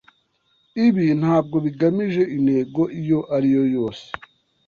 Ibi ntabwo bigamije intego iyo ari yo yose.